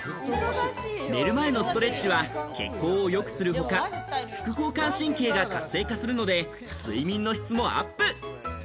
寝る前のストレッチは血行をよくする他、副交感神経が活性化するので、睡眠の質もアップ。